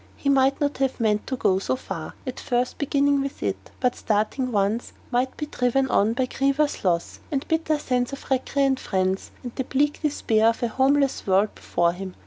He might not have meant to go so far, at first beginning with it; but, starting once, might be driven on by grievous loss, and bitter sense of recreant friends, and the bleak despair of a homeless world before him.